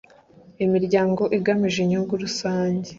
imiryango igamije inyungu rusange